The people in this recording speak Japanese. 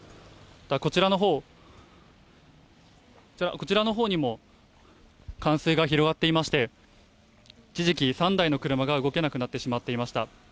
こちらのほう、こちらのほうにも冠水が広がっていまして、一時期、３台の車が動けなくなってしまっていました。